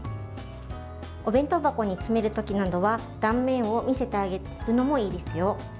お弁当箱に詰める時などは断面を見せてあげるのもいいですよ。